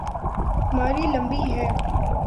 ماری لمبی ہے۔